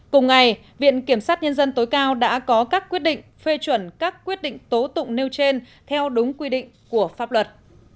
cùng ngày viện kiểm sát nhân dân tối cao đã có các quyết định phê chuẩn các quyết định tố tụng nêu trên theo đúng quy định của pháp luật